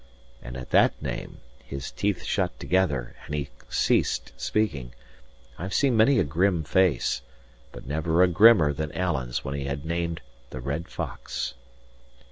And at that name, his teeth shut together, and he ceased speaking. I have seen many a grim face, but never a grimmer than Alan's when he had named the Red Fox.